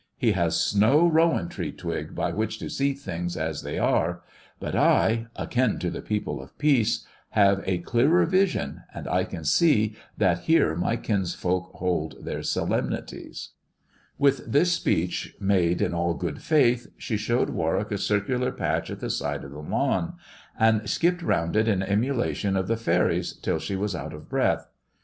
He has no rowan tree twig by which to see things as they are ; but I, akin to the people of peace, have a clearer vision, and I can see that here my kinsfolk hold their solemnities." " Skipped rounj it °'™"''"'«'"'ftLef«iieB. THE dwarf's chamber 51 With this speech, made in all good faith, she showed Warwick a circular patch at the side of the lawn; and skipped round it in emulation of the faeries till she was out of breath.